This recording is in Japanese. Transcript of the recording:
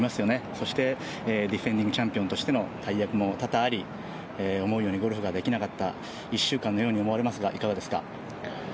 そしてディフェンディングチャンピオンとしての大役も多々あり思うようにゴルフができなかった１週間のように思われますが、いかがですか？